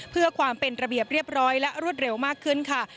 เพื่อความเป็นระเบียบเรียบร้อยและรวดเร็วมากขึ้นค่ะ